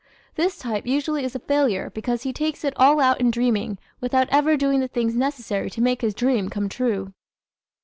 This type usually is a failure because he takes it all out in dreaming without ever doing the things necessary to make his dream come true.